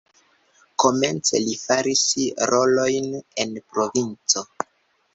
Komence li faris rolojn en provinco.